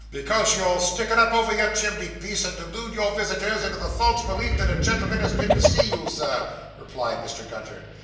'Because you'll stick it up over your chimney piece, and delude your visitors into the false belief that a gentleman has been to see you, Sir,' replied Mr. Gunter.